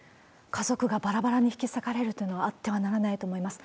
家族がばらばらに引き裂かれるというのは、あってはならないと思います。